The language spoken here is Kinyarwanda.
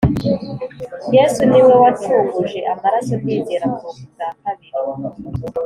Yesu niwe wancunguje amaraso ndizera mvuka ubwakabiri